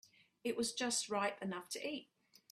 It was just ripe enough to eat.